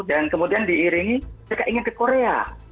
kemudian diiringi mereka ingin ke korea